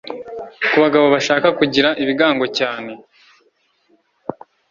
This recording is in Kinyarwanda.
Ku bagabo bashaka kugira ibigango cyane